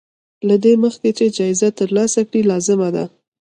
له دې مخکې چې جايزه ترلاسه کړې لازمه ده.